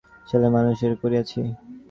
সে হাসির অর্থ, আজ কী ছেলেমানুষিই করিয়াছি।